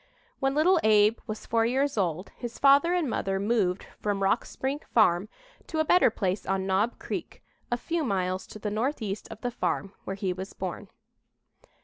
When little Abe was four years old his father and mother moved from Rock Spring Farm to a better place on Knob Creek, a few miles to the northeast of the farm where he was born.